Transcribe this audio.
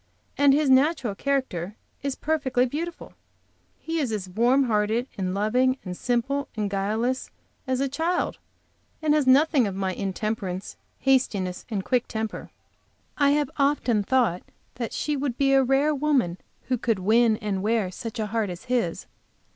And his natural character is perfectly beautiful. He is as warm hearted and loving and simple and guileless as a child, and has nothing of my intemperance, hastiness and quick temper. I have often thought that she would be a rare woman who could win and wear such a heart as his.